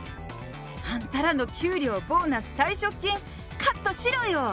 あんたらの給料、ボーナス、退職金、カットしろよ。